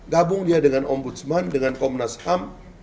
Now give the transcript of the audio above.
gabung dia dengan ombudsman dengan komnas ham